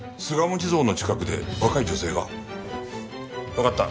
わかった。